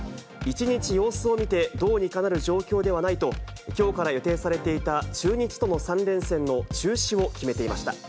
１日様子を見てどうにかなる状況ではないと、きょうから予定されていた中日との３連戦の中止を決めていました。